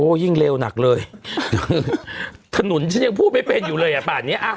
ยิ่งเร็วหนักเลยถนนฉันยังพูดไม่เป็นอยู่เลยอ่ะป่านนี้อ่ะ